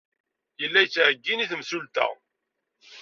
Yella yettɛeyyin i temsulta.